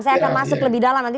saya akan masuk lebih dalam nanti